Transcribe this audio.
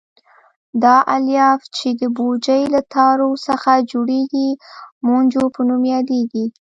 دا الیاف چې د بوجۍ له تارو څخه جوړېږي مونجو په نوم یادیږي.